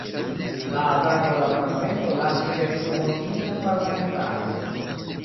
La atako al la Parlamento lasis dek du mortintajn parlamentanojn.